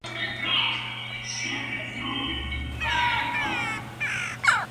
Vologases debe aceptar pagar un tributo para obtener la retirada de los invasores.